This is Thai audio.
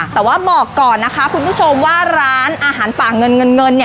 แต่ว่าบอกก่อนนะคะคุณผู้ชมว่าร้านอาหารป่าเงินเงินเนี่ย